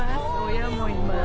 親もいます